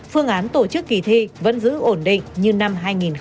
phương án tổ chức kỳ thi vẫn giữ ổn định như năm hai nghìn hai mươi một